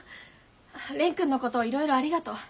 蓮くんのこといろいろありがとう。